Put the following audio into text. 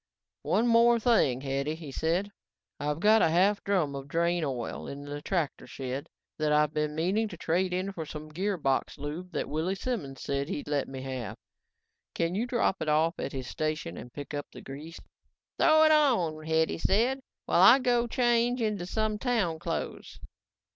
"One more thing, Hetty," he said. "I've got a half drum of drain oil in the tractor shed that I've been meaning to trade in for some gearbox lube that Willy Simons said he'd let me have. Can you drop it off at his station and pick up the grease?" "Throw it on," Hetty said, "while I go change into some town clothes."